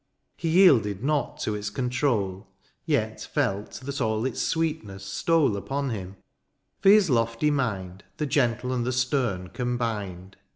He yielded not to its control, Tet felt that all its sweetness stole Upon him ; for his lofty mind The gentle and the stem combined.